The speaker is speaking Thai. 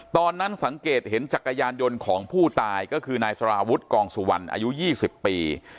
ตอนนั้นสังเกตเห็นจักรยานยนต์ของผู้ตายก็คือนายสารวุฒิกองสุวรรณอายุ๒๐ปี